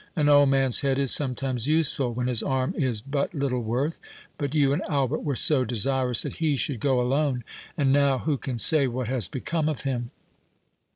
An old man's head is sometimes useful when his arm is but little worth. But you and Albert were so desirous that he should go alone—and now, who can say what has become of him?"